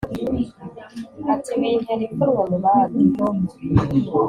ati bintera ipfunwe mubandi